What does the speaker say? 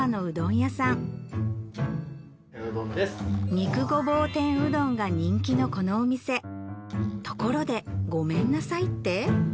肉ごぼう天うどんが人気のこのお店ところで「ご麺なさい」って？